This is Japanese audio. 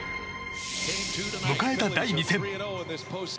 迎えた、第２戦。